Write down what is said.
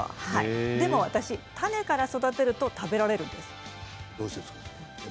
でも私、種から育てると食べられるんです。